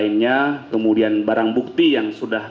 itu untuk smp yang pertama